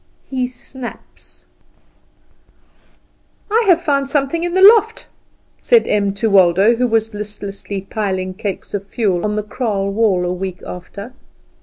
He Snaps. "I have found something in the loft," said Em to Waldo, who was listlessly piling cakes of fuel on the kraal wall, a week after.